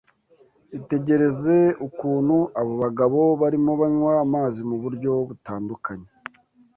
Itegereze ukuntu abo bagabo barimo banywa amazi mu buryo butandukanye